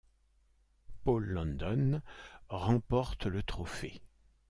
Paul London remporte le trophée.